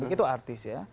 itu artis ya